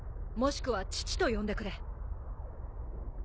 もしくは父と呼んでくれ。